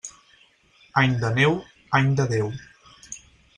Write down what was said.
Any de neu, any de Déu.